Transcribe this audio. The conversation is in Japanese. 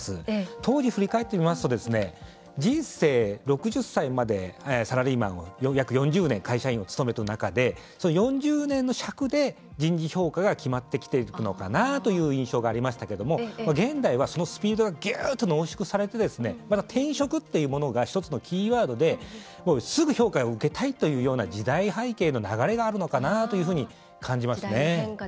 当時を振り返ってみると人生６０年サラリーマンを約４０年会社員を勤める中で、４０年の尺で人事評価が決まってきているのかなという気がしていましたけど現代はそのスピードがぎゅーっと凝縮されて転職というものがキーワードですぐ評価を受けたいという時代背景の流れがあるのかなと感じますね。